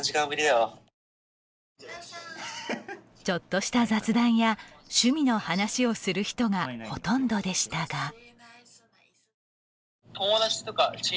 ちょっとした雑談や趣味の話をする人がほとんどでしたが。